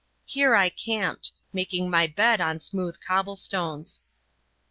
Here I camped, making my bed on smooth cobblestones.